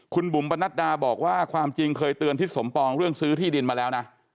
คุณบุ๋มปนัดดาบอกว่าความจริงเคยเตือนทิศสมปองเรื่องซื้อที่ดินมาแล้วนะ